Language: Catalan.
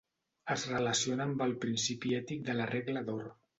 Es relaciona amb el principi ètic de la regla d'Or.